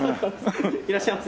いらっしゃいませ。